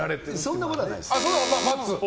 そんなことはないです。